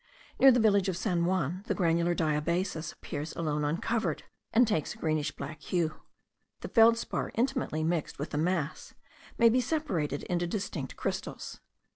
Near the village of San Juan, the granular diabasis appears alone uncovered, and takes a greenish black hue. The feldspar intimately mixed with the mass, may be separated into distinct crystals.